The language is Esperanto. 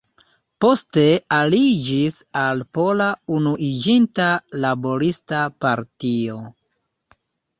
Poste aliĝis al Pola Unuiĝinta Laborista Partio.